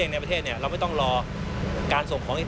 และในยามสงครามเนี่ย